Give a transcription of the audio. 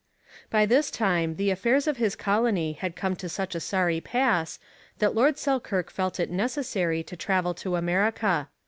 By this time the affairs of his colony had come to such a sorry pass that Lord Selkirk felt it necessary to travel to America.